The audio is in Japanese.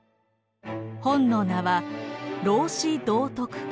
本の名は「老子道徳経」。